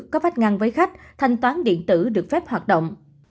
có vách ngăn với khách thanh toán điện tử được phép hoạt động